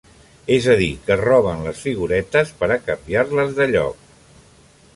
És a dir que roben les figuretes per a canviar-les de lloc.